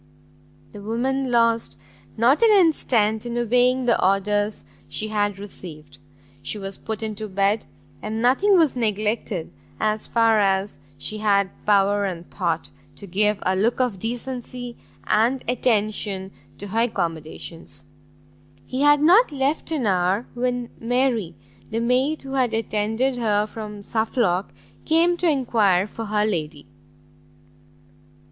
The woman lost not an instant in obeying the orders she had received; she was put into bed, and nothing was neglected, as far as she had power and thought, to give a look of decency and attention to her accommodations. He had not left them an hour, when Mary, the maid who had attended her from Suffolk, came to enquire for her lady.